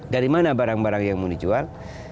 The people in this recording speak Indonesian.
dari mana barang barang yang mau dijual